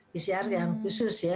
pcr yang khusus ya